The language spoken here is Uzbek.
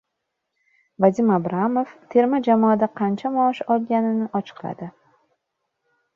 Vadim Abramov terma jamoada qancha maosh olganini ochiqladi